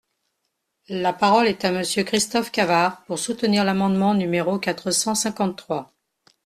La parole est à Monsieur Christophe Cavard, pour soutenir l’amendement numéro quatre cent cinquante-trois.